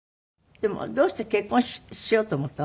でもどうして結婚しようと思ったの？